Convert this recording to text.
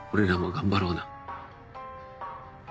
頑張ろう。